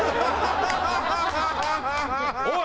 おい！